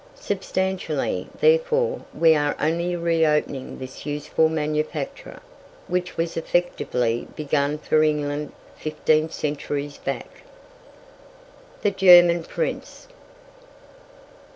Substantially, therefore, we are only reopening this useful manufacture, which was effectively begun for England fifteen centuries back. THE GERMAN PRINCE.